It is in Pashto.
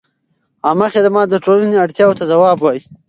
عامه خدمت د ټولنې اړتیاوو ته ځواب وايي.